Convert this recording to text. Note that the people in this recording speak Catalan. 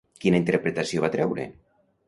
Quina interpretació va treure?